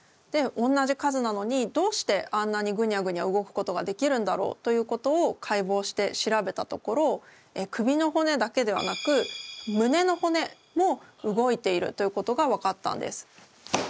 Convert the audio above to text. でおんなじ数なのにどうしてあんなにグニャグニャ動くことができるんだろうということを解剖して調べたところ首の骨だけではなく胸の骨も動いているということが分かったんです。